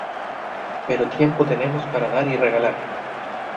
pero tiempo tenemos para dar y regalar.